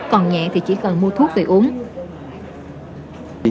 còn nhẹ thì chỉ cần mua thuốc về uống